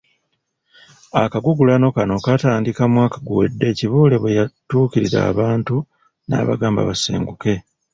Akagugulano kano kaatandika mwaka guwedde Kibuule bwe yatuukirira abantu n'abagamba basenguke.